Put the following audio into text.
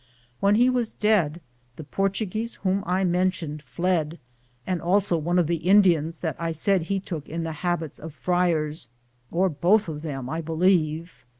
When he was dead, the Portuguese whom I mentioned fled, and also one of the Indians that I said he took in the habits of friars, or both of them, I believe.